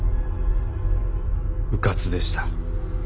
うかつでした。